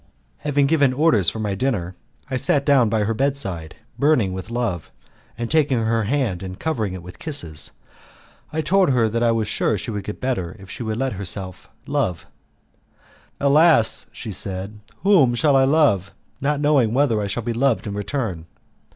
Having given orders for my dinner, I sat down by her bedside, burning with love, and taking her hand and covering it with kisses I told her that I was sure she would get better if she would let herself love. "Alas!" she said, "whom shall I love, not knowing whether I shall be loved in return?"